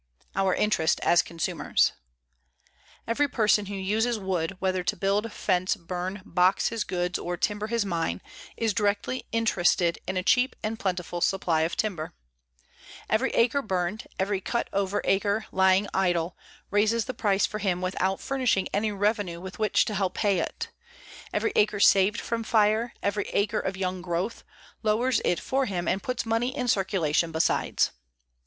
OUR INTEREST AS CONSUMERS Every person who uses wood, whether to build, fence, burn, box his goods, or timber his mine, is directly interested in a cheap and plentiful supply of timber. _Every acre burned, every cut over acre lying idle, raises the price for him without furnishing any revenue with which to help pay it. Every acre saved from fire, every acre of young growth, lowers it for him and puts money in circulation besides.